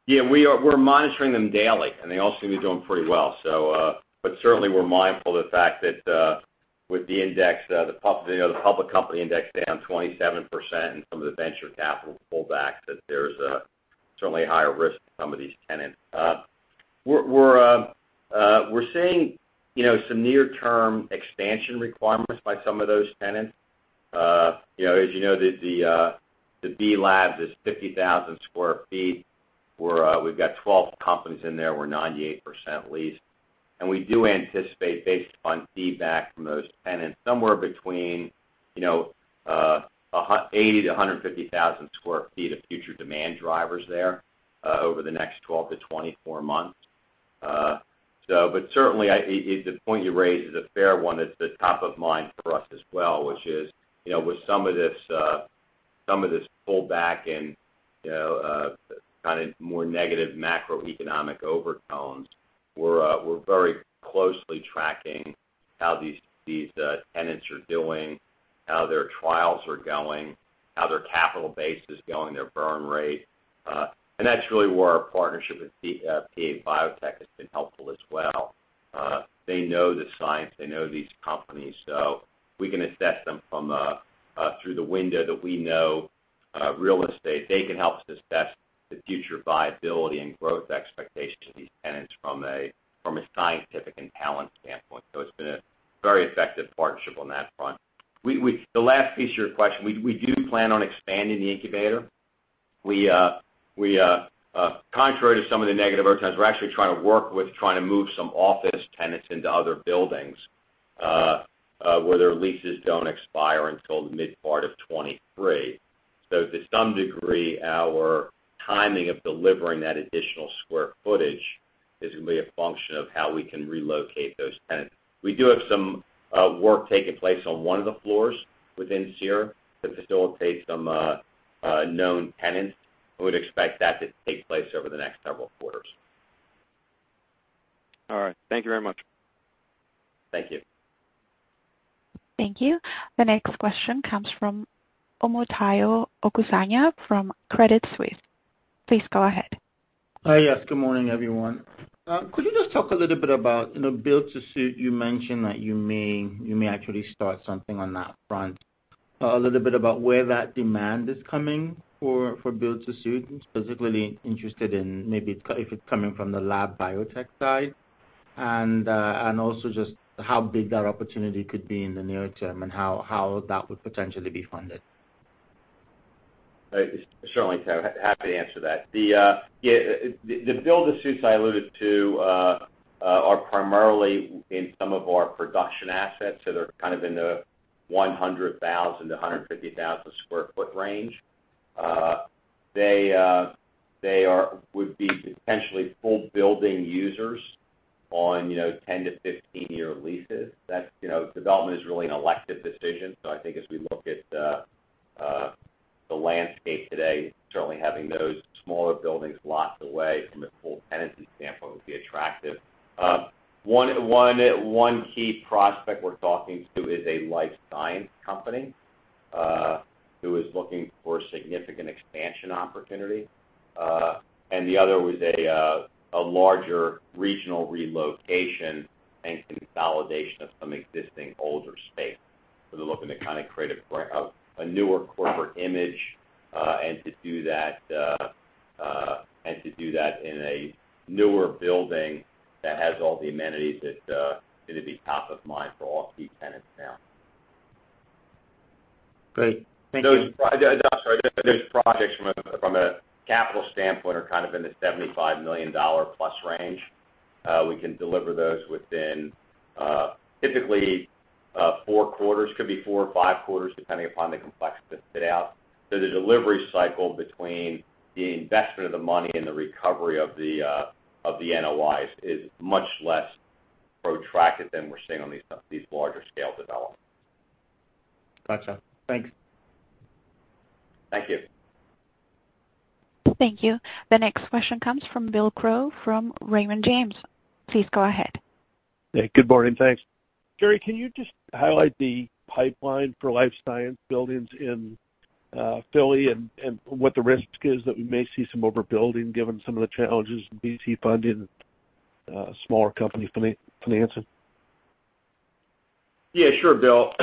We're monitoring them daily, and they all seem to be doing pretty well, but certainly we're mindful of the fact that with the index, you know, the public company index down 27% and some of the venture capital pullbacks, that there's certainly a higher risk to some of these tenants. We're seeing, you know, some near-term expansion requirements by some of those tenants. You know, as you know, the B Labs is 50,000 sq ft. We've got 12 companies in there. We're 98% leased. We do anticipate based on feedback from those tenants, somewhere between, you know, 8-150,000 sq ft of future demand drivers there over the next 12-24 months. Certainly the point you raised is a fair one. It's top of mind for us as well, which is, you know, with some of this pullback and, you know, kind of more negative macroeconomic overtones, we're very closely tracking how these tenants are doing, how their trials are going, how their capital base is going, their burn rate. That's really where our partnership with PA Biotech has been helpful as well. They know the science, they know these companies, so we can assess them through the window that we know, real estate. They can help us assess the future viability and growth expectations of these tenants from a scientific and talent standpoint. It's been a very effective partnership on that front. The last piece of your question, we do plan on expanding the incubator. Contrary to some of the negative overtones, we're actually trying to work with trying to move some office tenants into other buildings where their leases don't expire until the mid part of 2023. To some degree, our timing of delivering that additional square footage is going to be a function of how we can relocate those tenants. We do have some work taking place on one of the floors within Cira to facilitate some known tenants, and would expect that to take place over the next several quarters. All right. Thank you very much. Thank you. Thank you. The next question comes from Omotayo Okusanya from Credit Suisse. Please go ahead. Hi. Yes, good morning, everyone. Could you just talk a little bit about, you know, build to suit? You mentioned that you may actually start something on that front. A little bit about where that demand is coming for build to suit. Specifically interested in maybe if it's coming from the lab biotech side. Also just how big that opportunity could be in the near term and how that would potentially be funded. Certainly happy to answer that. The build to suits I alluded to are primarily in some of our production assets. They're kind of in the 100,000-150,000 sq ft range. They would be potentially full building users on, you know, 10- to 15-year leases. That's, you know, development is really an elective decision. I think as we look at the landscape today, certainly having those smaller buildings locked away from a full tenancy standpoint would be attractive. One key prospect we're talking to is a life science company who is looking for significant expansion opportunity. The other was a larger regional relocation and consolidation of some existing older space. They're looking to kind of create a newer corporate image, and to do that in a newer building that has all the amenities that it'd be top of mind for all key tenants now. Great. Thank you. Those projects from a capital standpoint are kind of in the $75 million plus range. We can deliver those within typically four quarters, could be four or five quarters, depending upon the complexity of the fit-out. The delivery cycle between the investment of the money and the recovery of the NOIs is much less protracted than we're seeing on these larger scale developments. Gotcha. Thanks. Thank you. Thank you. The next question comes from Bill Crow from Raymond James. Please go ahead. Yeah, good morning. Thanks. Jerry, can you just highlight the pipeline for life science buildings in Philly and what the risk is that we may see some overbuilding given some of the challenges in VC funding smaller companies financing? Yeah, sure, Bill.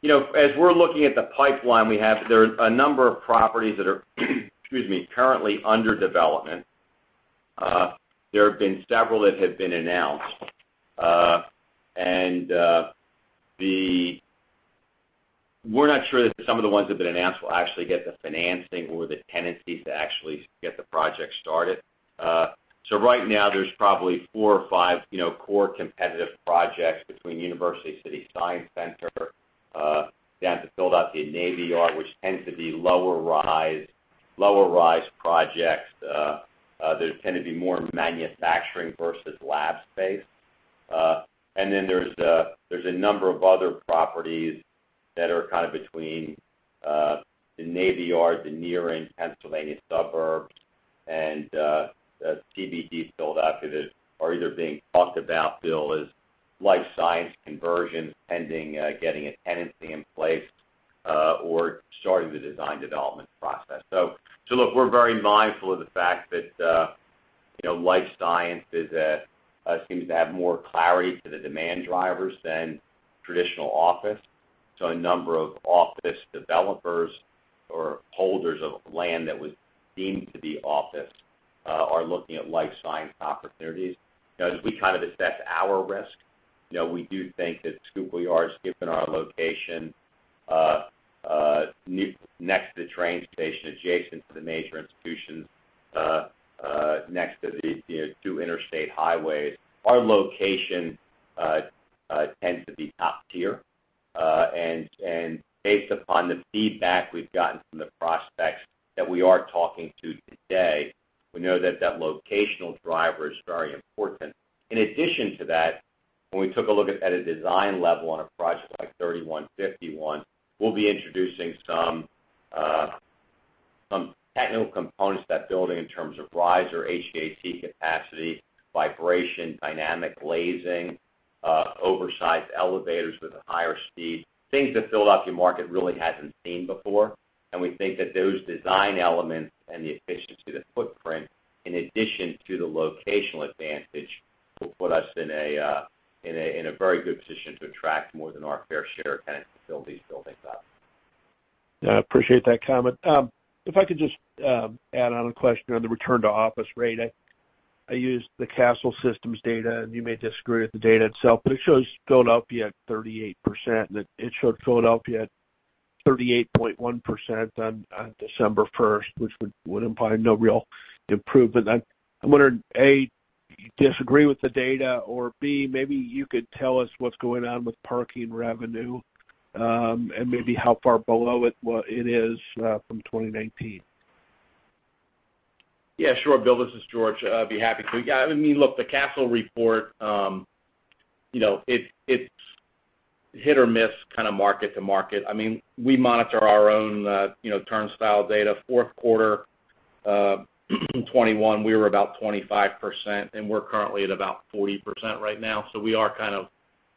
You know, as we're looking at the pipeline we have, there are a number of properties that are, excuse me, currently under development. There have been several that have been announced. We're not sure that some of the ones that have been announced will actually get the financing or the tenancies to actually get the project started. Right now there's probably four or five, you know, core competitive projects between University City Science Center down to Philadelphia Navy Yard, which tend to be lower rise projects. They tend to be more manufacturing versus lab space. Then there's a number of other properties that are kind of between the Navy Yard, the Northern Pennsylvania suburbs, and the CBD Philadelphia that are either being talked about, Bill, as life science conversions pending getting a tenancy in place or starting the design development process. Look, we're very mindful of the fact that, you know, life science it seems to have more clarity to the demand drivers than traditional office. A number of office developers or holders of land that was deemed to be office are looking at life science opportunities. You know, as we kind of assess our risk, you know, we do think that Schuylkill Yards, given our location, next to the train station, adjacent to the major institutions, next to the, you know, two interstate highways, our location, tends to be top-tier. Based upon the feedback we've gotten from the prospects that we are talking to today, we know that that locational driver is very important. In addition to that, when we took a look at a design level on a project like 3151, we'll be introducing some technical components to that building in terms of riser, HVAC capacity, vibration, dynamic glazing, oversized elevators with a higher speed, things the Philadelphia market really hasn't seen before. We think that those design elements and the efficiency of the footprint, in addition to the locational advantage, will put us in a very good position to attract more than our fair share of tenants to fill these buildings up. Yeah, I appreciate that comment. If I could just add on a question on the return to office rate. I used the Kastle Systems data, and you may disagree with the data itself, but it shows Philadelphia at 38%. It showed Philadelphia at 38.1% on December first, which would imply no real improvement. I'm wondering, A, you disagree with the data, or B, maybe you could tell us what's going on with parking revenue, and maybe how far below it is from 2019. Yeah, sure. Bill, this is George. I'd be happy to. Yeah, I mean, look, the Kastle report, you know, it's hit or miss kind of mark-to-market. I mean, we monitor our own, you know, turnstile data. Q4 2021, we were about 25%, and we're currently at about 40% right now. We are kind of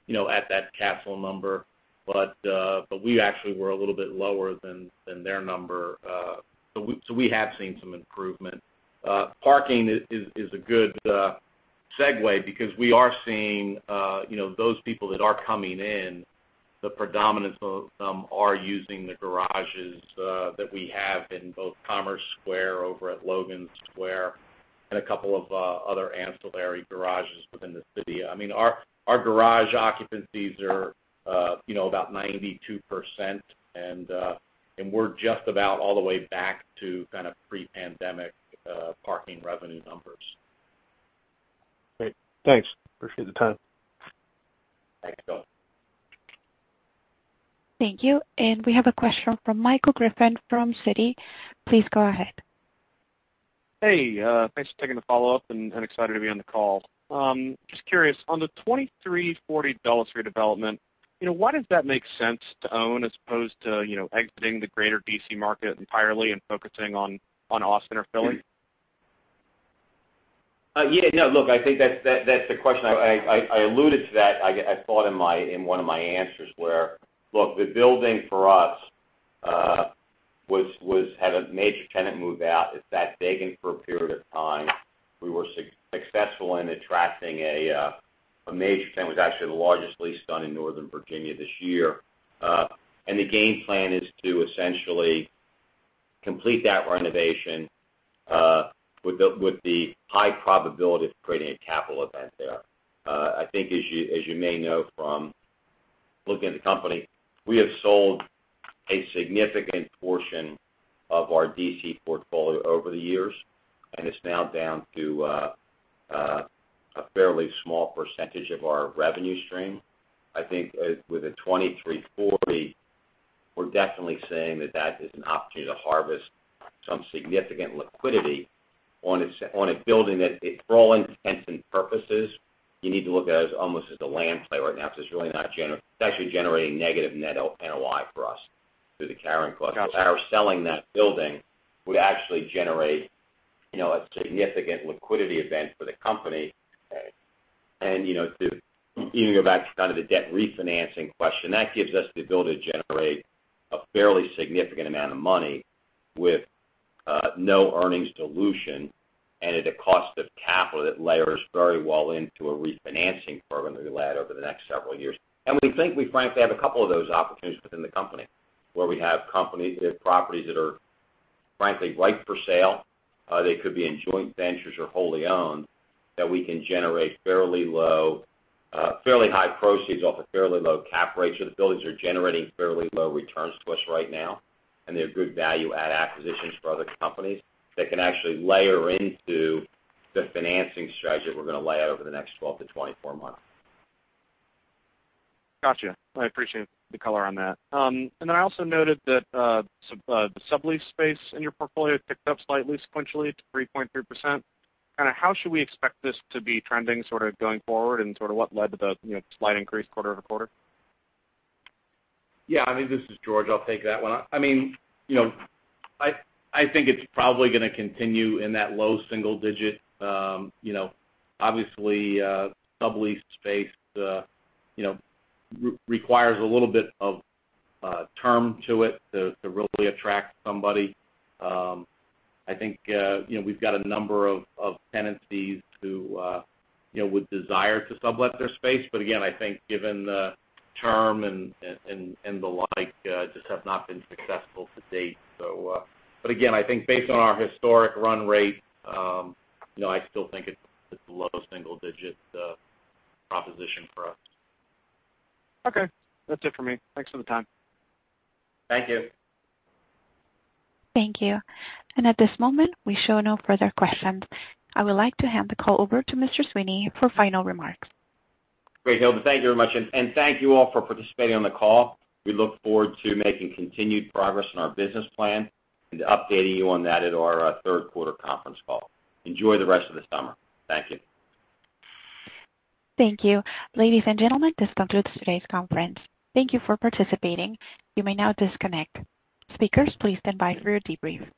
you know at that Kastle number. We actually were a little bit lower than their number. We have seen some improvement. Parking is a good segue because we are seeing, you know, those people that are coming in, the predominance of them are using the garages that we have in both Commerce Square over at Logan Square and a couple of other ancillary garages within the city. I mean, our garage occupancies are, you know, about 92%, and we're just about all the way back to kind of pre-pandemic parking revenue numbers. Great. Thanks. Appreciate the time. Thanks, Don. Thank you. We have a question from Michael Griffin from Citi. Please go ahead. Hey, thanks for taking the follow-up, and excited to be on the call. Just curious, on the $2,340 redevelopment, you know, why does that make sense to own as opposed to, you know, exiting the greater D.C. market entirely and focusing on Austin or Philly? Yeah, no, look, I think that's a question I alluded to. I thought in one of my answers where. Look, the building for us was. Had a major tenant move out. It sat vacant for a period of time. We were successful in attracting a major tenant, was actually the largest lease done in Northern Virginia this year. The game plan is to essentially complete that renovation with the high probability of creating a capital event there. I think as you may know from looking at the company, we have sold a significant portion of our D.C. portfolio over the years, and it's now down to a fairly small percentage of our revenue stream. I think with the 2340, we're definitely saying that is an opportunity to harvest some significant liquidity on a on a building that for all intents and purposes, you need to look at it as almost a land play right now. It's really not it's actually generating negative net NOI for us through the carrying costs. Us selling that building would actually generate, you know, a significant liquidity event for the company. You know, to even go back to kind of the debt refinancing question, that gives us the ability to generate a fairly significant amount of money with no earnings dilution and at a cost of capital that layers very well into a refinancing program that we lay out over the next several years. We think we frankly have a couple of those opportunities within the company, where we have properties that are, frankly, ripe for sale, they could be in joint ventures or wholly owned, that we can generate fairly low, fairly high proceeds off a fairly low cap rate. The buildings are generating fairly low returns to us right now, and they're good value add acquisitions for other companies that can actually layer into the financing strategy we're going to lay out over the next 12-24 months. Gotcha. I appreciate the color on that. I also noted that the sublease space in your portfolio picked up slightly sequentially to 3.3%. Kinda how should we expect this to be trending sorta going forward and sorta what led to the, you know, slight increase quarter-over-quarter? Yeah. I mean, this is George. I'll take that one. I mean, you know, I think it's probably going to continue in that low single digit. You know, obviously, sublease space, you know, requires a little bit of term to it to really attract somebody. I think, you know, we've got a number of tenants who, you know, would desire to sublet their space, but again, I think given the term and the like, just have not been successful to date. But again, I think based on our historic run rate, you know, I still think it's low single digit proposition for us. Okay. That's it for me. Thanks for the time. Thank you. Thank you. At this moment, we show no further questions. I would like to hand the call over to Mr. Sweeney for final remarks. Great, Hilda. Thank you very much and thank you all for participating on the call. We look forward to making continued progress in our business plan and updating you on that at our Q3 conference call. Enjoy the rest of the summer. Thank you. Thank you. Ladies and gentlemen, this concludes today's conference. Thank you for participating. You may now disconnect. Speakers, please stand by for you debrief.